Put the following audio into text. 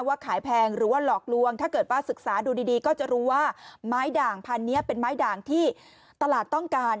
ขายแพงหรือว่าหลอกลวงถ้าเกิดว่าศึกษาดูดีก็จะรู้ว่าไม้ด่างพันธุ์นี้เป็นไม้ด่างที่ตลาดต้องการ